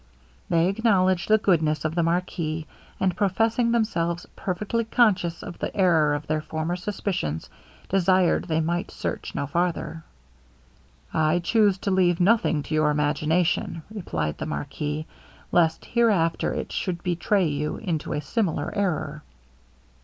They acknowledged the goodness of the marquis, and professing themselves perfectly conscious of the error of their former suspicions, desired they might search no farther. 'I chuse to leave nothing to your imagination,' replied the marquis, 'lest hereafter it should betray you into a similar error.